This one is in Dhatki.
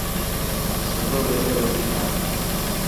سڌو ٻيسي روٽي کا.